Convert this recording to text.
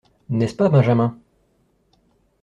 N’est-ce pas, Benjamin ?…